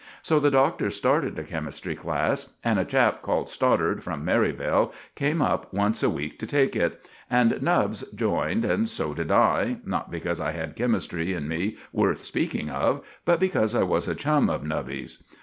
So the Doctor started a chemistry class, and a chap called Stoddart, from Merivale, came up once a week to take it; and Nubbs joined, and so did I, not because I had chemistry in me worth speaking of, but because I was a chum of Nubby's.